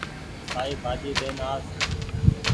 سآئي ڀآجي لين آس